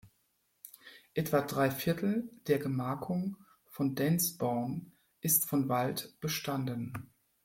Etwa drei Viertel der Gemarkung von Densborn ist von Wald bestanden.